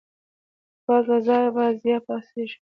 د باز له ځالې باز پاڅېږي.